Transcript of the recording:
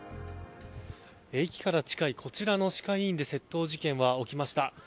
駅から近いこちらの歯科医院で窃盗事件は起きました。